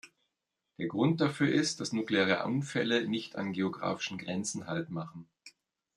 Der Grund dafür ist, dass nukleare Unfälle nicht an geografischen Grenzen haltmachen.